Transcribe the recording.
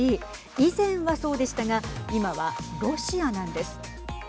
以前はそうでしたが今はロシアなんです。